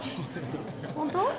本当？